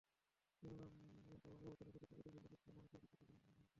কেননা পালামৌ রচনায় শুধু প্রাকৃতিক সৌন্দর্য ছাড়াও মানুষের বিচিত্র জীবন-প্রণালি বর্ণিত হয়েছে।